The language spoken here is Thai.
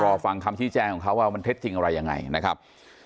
รอฟังคำชี้แจงของเขาว่ามันเท็จจริงอะไรยังไงนะครับ